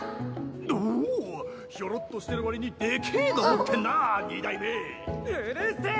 ・おおひょろっとしてる割に・でけぇの持ってんなぁ２代目！・うるせぇ！